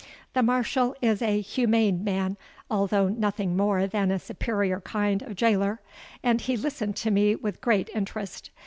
The Marshal is a humane man, although nothing more than a superior kind of gaoler; and he listened to me with great interest.